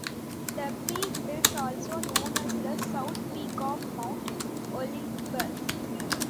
The peak is also known as the South Peak of Mount Olympus.